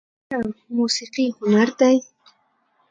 آیا موسیقي هنر دی؟